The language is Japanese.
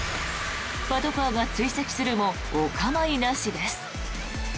パトカーが追跡するもお構いなしです。